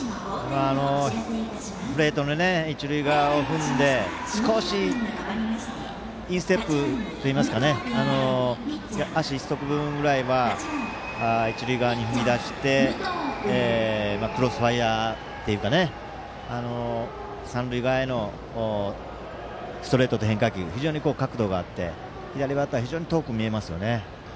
プレート、一塁側を踏んで少しインステップといいますか足１足分ぐらいは一塁側に踏み出してクロスファイアーっていうか三塁側へのストレートと変化球非常に角度があって、左バッター非常に遠く見えますよね。